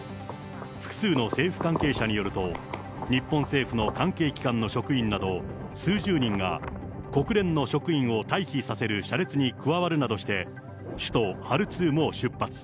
複数の政府関係者によると、日本政府の関係機関の職員など数十人が、国連の職員を退避させる車列に加わるなどして、首都ハルツームを出発。